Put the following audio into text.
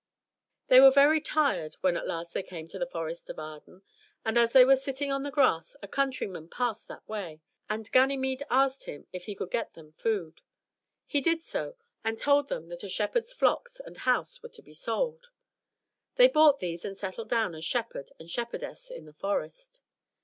They were very tired when at last they came to the Forest of Arden, and as they were sitting on the grass a countryman passed that way, and Ganymede asked him if he could get them food. He did so, and told them that a shepherd's flocks and house were to be sold. They bought these and settled down as shepherd and shepherdess in the forest.